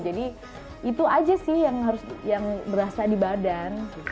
jadi itu aja sih yang berasa di badan